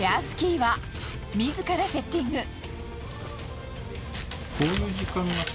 スキーは自らセッティング。